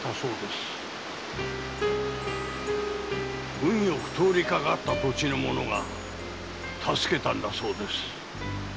運よく通りかかった土地の者が助けたんだそうです。